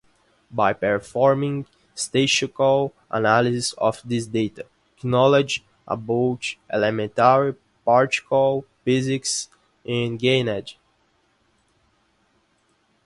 By performing statistical analysis of this data, knowledge about elementary particle physics is gained.